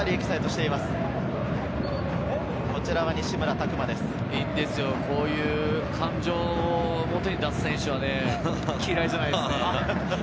いいんですよ、こういう感情を表に出す選手はね、嫌いじゃないですね。